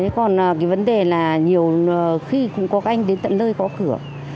còn cái vấn đề là nhiều khi cũng có các anh đến tận nơi có cửa